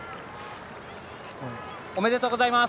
おめでとうございます。